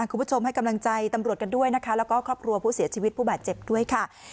คุณผู้ชมให้กำลังใจตำรวจกันด้วยนะคะแล้วก็ครอบครัวผู้เสียชีวิตผู้บาดเจ็บด้วยค่ะ